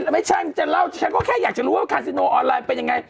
ไม่ใช่จะเล่าฉันก็แค่อยากจะรู้ว่าคาซิโนออนไลน์เป็นยังไง